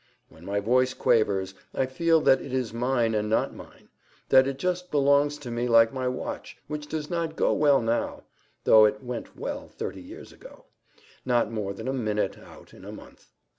—When my voice quavers, I feel that it is mine and not mine; that it just belongs to me like my watch, which does not go well now, though it went well thirty years ago—not more than a minute out in a month.